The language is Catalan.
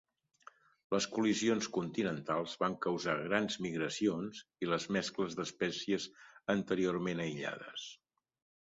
Les col·lisions continentals van causar grans migracions i les mescles d'espècies anteriorment aïllades.